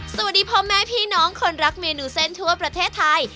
สวัสดีพ่อแม่พี่น้องคนรักเมนูเส้นทั่วประเทศไทย